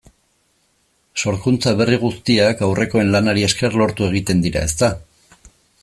Sorkuntza berri guztiak aurrekoen lanari esker lortu egiten dira, ezta?